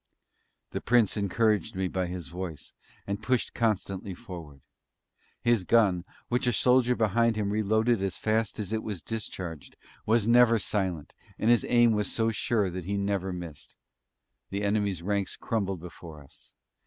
The Prince encouraged me by his voice, and pushed constantly forward. His gun, which a soldier behind him reloaded as fast as it was discharged, was never silent, and his aim was so sure that he never missed. The Enemy's ranks crumbled before us.